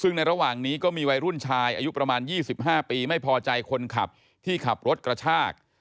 ซึ่งในระหว่างนี้ก็มีวัยรุ่นชายอายุประมาณ๒๕ปีไม่พอใจคนขับที่ขับรถกระชาก